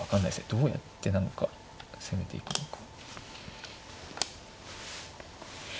どうやって何か攻めていくのか。